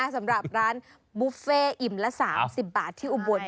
สำหรับร้านบุฟเฟ่อิ่มละ๓๐บาทที่อุบล